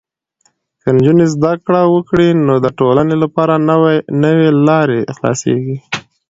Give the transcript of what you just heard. که نجونې زده کړه وکړي، نو د ټولنې لپاره نوې لارې خلاصېږي.